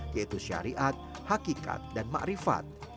yaitu syariat hakikat dan ma rifat